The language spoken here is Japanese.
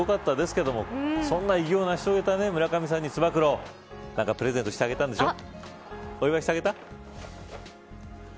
最後の最後にしかも最終打席すごかったですけどそんな偉業を成し遂げた村上さんにつば九郎、プレゼントしてあげたんでしょう。